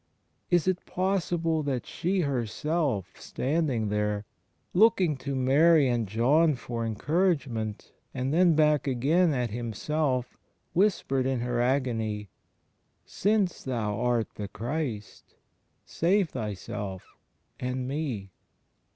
Is it possible that she herself, standing there, looking to Mary and John for encouragement, and then back again at Himself, whispered in her agony, ''Since Thou art the Christ, save Thyself — and me?'